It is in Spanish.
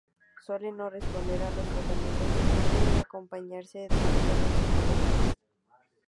Suele no responder a los tratamientos y acompañarse de trastornos psicológicos.